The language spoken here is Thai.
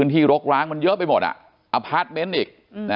ที่รกร้างมันเยอะไปหมดอพาร์ทเมนต์อีก